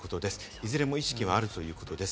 いずれも意識はあるということです。